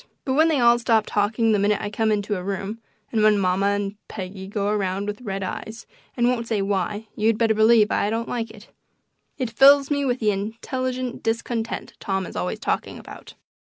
But when they all stop talking the minute I come into a room, and when mamma and Peggy go around with red eyes and won't say why, you'd better believe I don't like it. It fills me with the "intelligent discontent" Tom is always talking about.